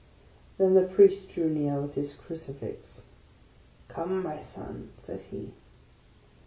Then the Priest drew near with his Crucifix. " Come, my son," said he.